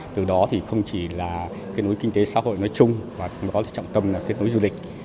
từ đó không chỉ là kết nối kinh tế xã hội nói chung mà trong đó trọng tâm là kết nối du lịch